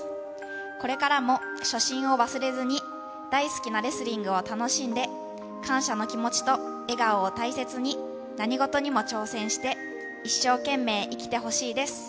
これからも初心を忘れずに、大好きなレスリングを楽しんで、感謝の気持ちと笑顔を大切に、何事にも挑戦して、一生懸命生きてほしいです。